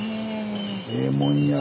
「ええもんや」。